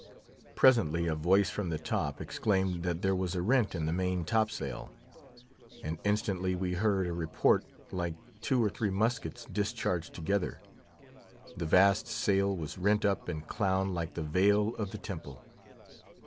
Presently a voice from the top exclaimed that there was a rent in the main top sail. And instantly we heard a report like two or three muskets discharged together; the vast sail was rent up and down like the Vail of the Temple.